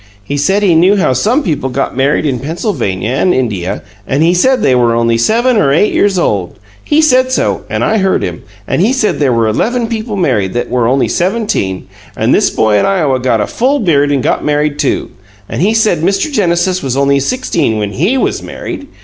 He said he knew how some people got married in Pennsylvania an' India, an' he said they were only seven or eight years old. He said so, an' I heard him; an' he said there were eleven people married that were only seventeen, an' this boy in Iowa got a full beard an' got married, too. An' he said Mr. Genesis was only sixteen when HE was married.